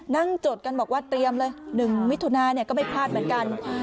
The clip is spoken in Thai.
นั่งจดกันบอกว่าเตรียมเลยหนึ่งมิถุนาเนี่ยก็ไม่พลาดเหมือนกัน